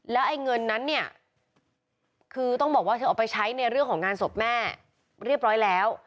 แล้วไอ้เงินนั้นเนี่ยคือต้องบอกว่าเธอเอาไปใช้ในเรื่องของงานศพแม่เรียบร้อยแล้ว